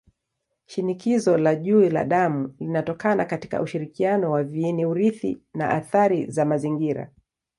Shinikizo la juu la damu linatokana katika ushirikiano wa viini-urithi na athari za mazingira.